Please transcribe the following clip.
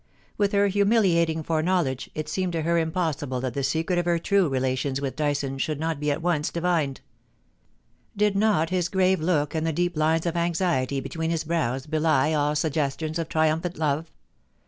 With her humiliating foreknowledge, it seemed to her im possible that the secret of her true relations with Dyson should not be at once divined Did not his grave look and the deep lines of anxiety between his brows belie all sugges tions of triumphant love